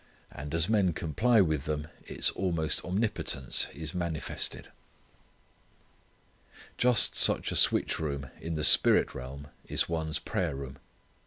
And as men comply with them its almost omnipotence is manifested. Just such a switch room in the spirit realm is one's prayer room.